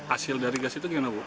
asil dari gas itu bagus gak